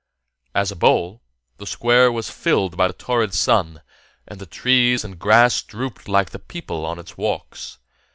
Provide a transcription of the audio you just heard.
_] As a bowl, the Square was filled by the torrid sun, and the trees and grass drooped like the people on its walks.